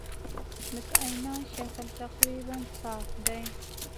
د کائنات شکل تقریباً صاف دی.